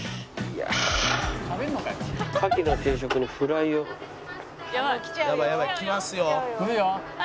「やばい来ますよ」